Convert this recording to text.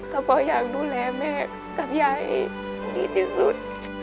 ก็เพราะอยากดูแลแม่กับยายดีที่สุด